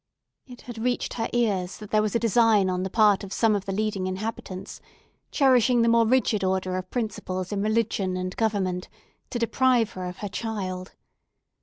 It had reached her ears that there was a design on the part of some of the leading inhabitants, cherishing the more rigid order of principles in religion and government, to deprive her of her child.